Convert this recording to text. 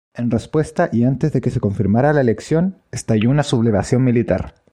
En respuesta, y antes de que se confirmara la elección, estalló una sublevación militar.